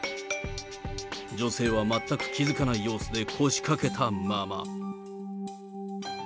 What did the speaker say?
女性は全く気付かない様子で腰かけたまま。